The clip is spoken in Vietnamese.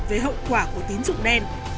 về hậu quả của tính dụng đen